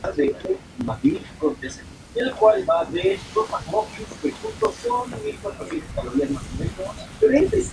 Se le veía indiferente frente a su final.